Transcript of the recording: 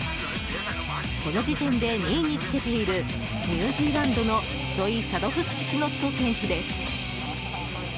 この時点で２位につけているニュージーランドのゾイ・サドフスキシノット選手です。